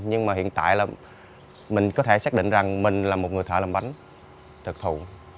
nhưng mà hiện tại là mình có thể xác định rằng mình là một người thợ làm bánh trực thuộc